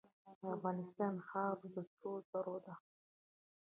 د افغانستان خاوره د سرو زرو ده.